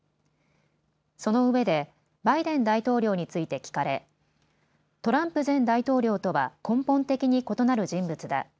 そのうえでバイデン大統領について聞かれトランプ前大統領とは根本的に異なる人物だ。